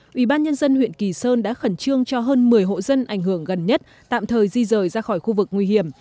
quỹ ban nhân dân huyện kỳ sơn đã khẩn trương cho hơn một mươi hộ dân ảnh hưởng gần nhất tạm thời di rời ra khỏi khu vực nguy hiểm